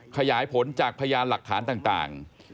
ขยายผลจากพยานหลักฐานต่าง